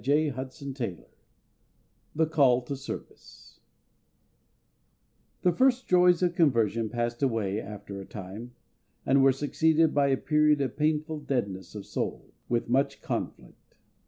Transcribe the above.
CHAPTER II THE CALL TO SERVICE THE first joys of conversion passed away after a time, and were succeeded by a period of painful deadness of soul, with much conflict.